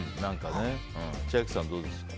千秋さんはどうですか。